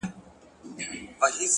علم د تیارو رڼا ده!